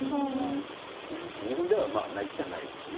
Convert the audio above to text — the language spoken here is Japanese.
日本ではないっちゃないのね。